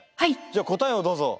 じゃあ答えをどうぞ。